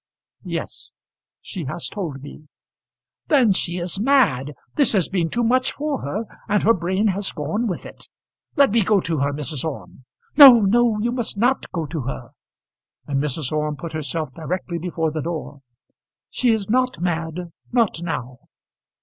"Yes; she has told me." "Then she is mad. This has been too much for her, and her brain has gone with it. Let me go to her, Mrs. Orme." "No, no; you must not go to her." And Mrs. Orme put herself directly before the door. "She is not mad, not now.